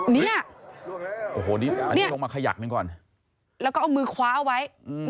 เนี่ยโอ้โหนี่อันนี้ลงมาขยักหนึ่งก่อนแล้วก็เอามือคว้าเอาไว้